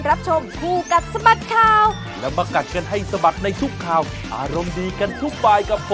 อ้าว